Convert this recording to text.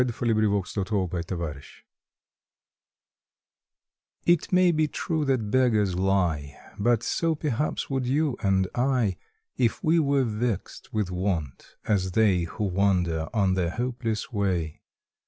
February Fifteenth APPRECIATION TT may be true that beggars lie But so perhaps would you and I If we were vexed with want as they Who wander on their hopeless way.